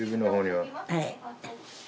はい。